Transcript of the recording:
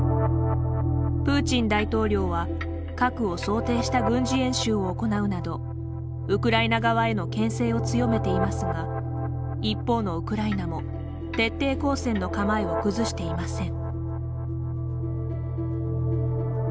プーチン大統領は核を想定した軍事演習を行うなどウクライナ側へのけん制を強めていますが一方のウクライナも徹底抗戦の構えを崩していません。